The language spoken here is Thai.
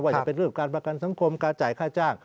จะเป็นเรื่องการประกันสังคมการจ่ายค่าจ้าง